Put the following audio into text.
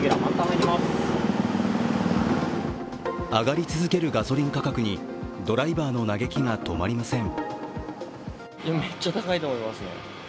上がり続けるガソリン価格にドライバーの嘆きが止まりません。